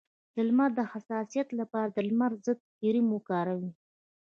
د لمر د حساسیت لپاره د لمر ضد کریم وکاروئ